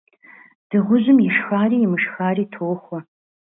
Дыгъужьым ишхари имышхари тохуэ.